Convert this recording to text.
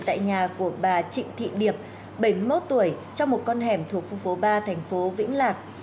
tại nhà của bà trịnh thị điệp bảy mươi một tuổi trong một con hẻm thuộc khu phố ba thành phố vĩnh lạc